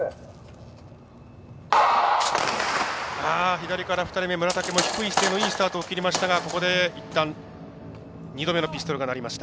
左から２番目いいスタートを切りましたがここでいったん、２度目のピストルが鳴りました。